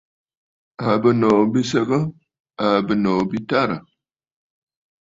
Àa bɨ̀nòò bi səgə? Àa bɨnòò bi tarə̀.